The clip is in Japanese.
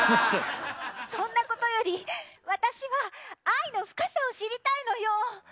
そんなことより私は愛の深さを知りたいのよ！